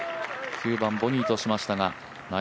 ９番ボギーとしました。